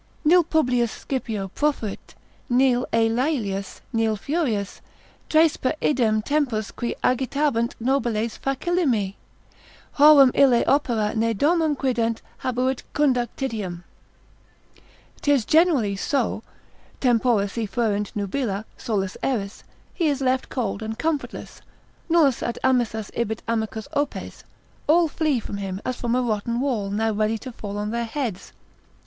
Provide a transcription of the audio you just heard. Nil Publius Scipio profuit, nil ei Laelius, nil Furius, Tres per idem tempus qui agitabant nobiles facillime, Horum ille opera ne domum quident habuit conductitiam. 'Tis generally so, Tempora si fuerint nubila, solus eris, he is left cold and comfortless, nullas ad amissas ibit amicus opes, all flee from him as from a rotten wall, now ready to fall on their heads.